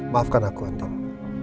maafkan aku anding